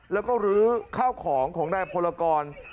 แล้วก็ลื้อข้าวของในพลกร